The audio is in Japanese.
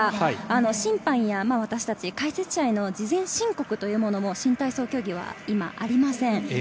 審判や私達解説者への事前申告も新体操競技はありません。